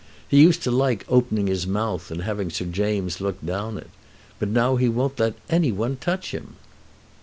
He used to like opening his mouth and having Sir James to look down it. But now he won't let any one touch him."